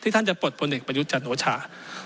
ท่านจะปลดบนเหตุประยุจจันทร์โชภา